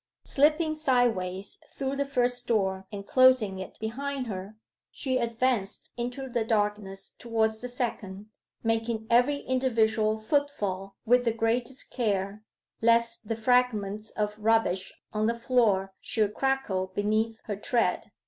Slipping sideways through the first door and closing it behind her, she advanced into the darkness towards the second, making every individual footfall with the greatest care, lest the fragments of rubbish on the floor should crackle beneath her tread.